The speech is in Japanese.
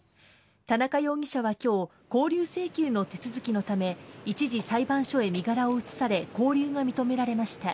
田中容疑者は今日、勾留請求の手続きのため一時、裁判所へ身柄を移され勾留が認められました。